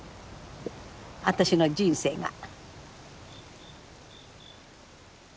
私の人生が。